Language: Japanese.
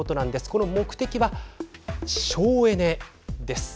この目的は省エネです。